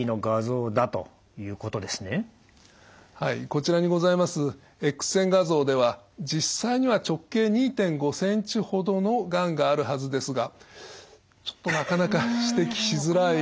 こちらにございますエックス線画像では実際には直径２．５ｃｍほどのがんがあるはずですがちょっとなかなか指摘しづらい。